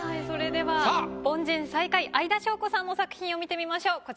それでは凡人最下位相田翔子さんの作品を見てみましょう。